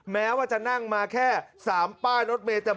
แม้ว่าจะนั่งมาแค่๓ป้ายรถเมย์